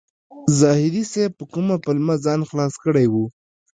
زاهدي صیب په کومه پلمه ځان خلاص کړی و.